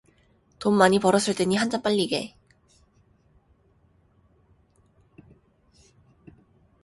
돈 많이 벌었을 테니 한잔 빨리게